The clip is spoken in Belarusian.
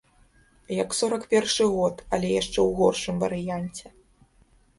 Як сорак першы год, але яшчэ ў горшым варыянце.